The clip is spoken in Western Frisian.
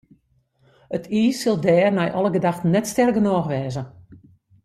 It iis sil dêr nei alle gedachten net sterk genôch wêze.